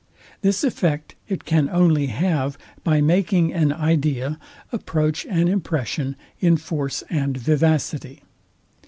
This effect it can only have by making an idea approach an impression in force and vivacity.